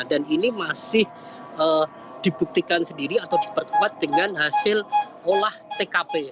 dan ini masih dibuktikan sendiri atau diperkuat dengan hasil olah tkp